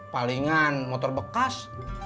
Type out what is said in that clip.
palingan motor bekas